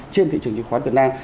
trên thị trường chứng khoán việt nam